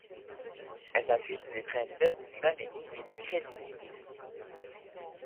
Elle s´appuie sur les principes d´honnêteté et de crédibilité.